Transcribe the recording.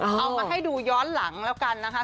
เอามาให้ดูย้อนหลังแล้วกันนะคะ